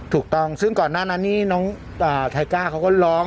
ถูกต้องซึ่งก่อนหน้านั้นนี่น้องไทก้าเขาก็ร้อง